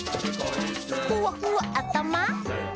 「ふわふわあたま」